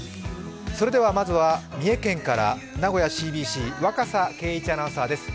まずは三重県から名古屋ＣＢＣ・若狭敬一アナウンサーです。